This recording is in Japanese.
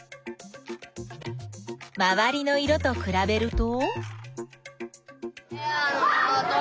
まわりの色とくらべると？